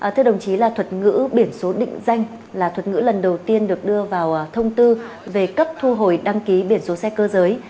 thưa đồng chí là thuật ngữ biển số định danh là thuật ngữ lần đầu tiên được đưa vào thông tư về cấp thu hồi đăng ký biển số xe cơ giới